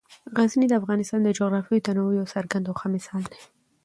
غزني د افغانستان د جغرافیوي تنوع یو څرګند او ښه مثال دی.